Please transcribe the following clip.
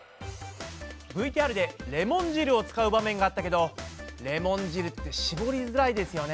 ＶＴＲでレモン汁を使う場面があったけどレモン汁ってしぼりづらいですよね。